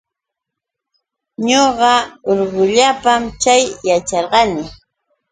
Ñuqa urqullapa chay yacharqani.